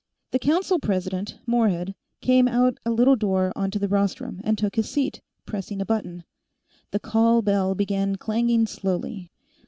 The Council President, Morehead, came out a little door onto the rostrum and took his seat, pressing a button. The call bell began clanging slowly.